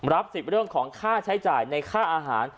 รับสิทธิ์เรื่องของค่าใช้จ่ายในค่าอาหาร